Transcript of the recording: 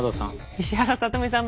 石原さとみさん